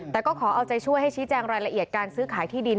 แต่ก็ขอเอาใจช่วยให้ชี้แจงรายละเอียดการซื้อขายที่ดิน